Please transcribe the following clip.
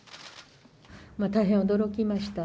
大変驚きました。